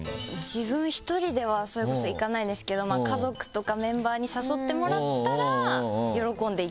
自分一人ではそれこそ行かないんですけど家族とかメンバーに誘ってもらったら喜んで行きますね。